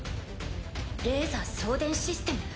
レーザー送電システム？